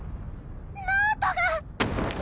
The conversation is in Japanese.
ノートが！